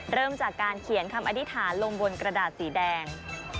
เริ่มจากการเขียนคำอธิษฐานลงบนกระดาษสีแดง